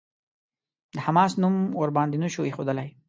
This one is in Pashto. د «حماس» نوم ورباندې نه شو ايښودلای.